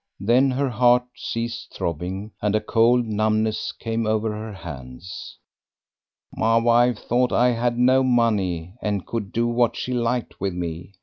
Then her heart ceased throbbing, and a cold numbness came over her hands. "My wife thought that I had no money, and could do what she liked with me.